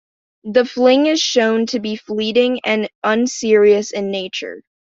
The fling is shown to be fleeting and unserious in nature.